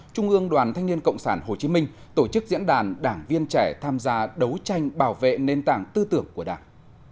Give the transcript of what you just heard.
trung ương đoàn thanh niên cộng sản hồ chí minh tổ chức diễn đàn đảng viên trẻ tham gia đấu tranh bảo vệ nền tảng tư tưởng của đảng